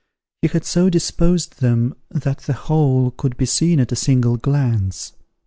He had so disposed them that the whole could be seen at a single glance.